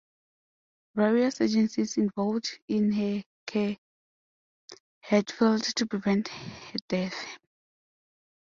Various agencies involved in her care had failed to prevent her death.